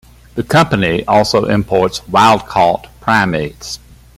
The company also imports wild-caught primates.